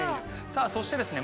さあそしてですね